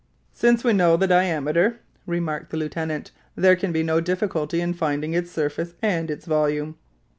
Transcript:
"Since we know the diameter," remarked the lieutenant, "there can be no difficulty in finding its surface and its volume."